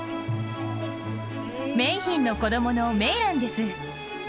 メイヒンの子どものメイランです。